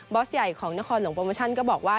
อสใหญ่ของนครหลวงโปรโมชั่นก็บอกว่า